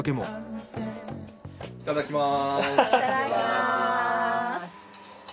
いただきます。